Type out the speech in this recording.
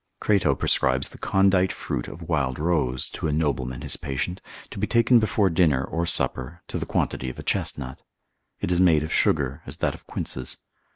Crato prescribes the condite fruit of wild rose, to a nobleman his patient, to be taken before dinner or supper, to the quantity of a chestnut. It is made of sugar, as that of quinces.